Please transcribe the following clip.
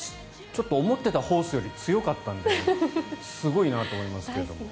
ちょっと思っていたホースより強かったんですごいなと思いますけれども。